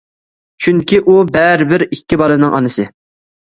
چۈنكى ئۇ بەرىبىر ئىككى بالىنىڭ ئانىسى.